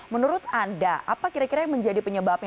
menurut anda apa kira kira yang menjadi penyebabnya